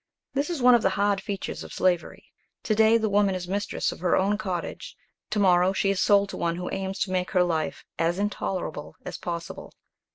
This is one of the hard features of slavery. To day the woman is mistress of her own cottage; to morrow she is sold to one who aims to make her life as intolerable as possible.